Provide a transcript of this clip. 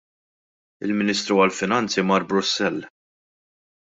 Il-Ministru għall-Finanzi mar Brussell.